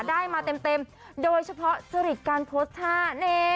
ได้มาเต็มโดยเฉพาะสฤทธิ์การโพสต์ภาพ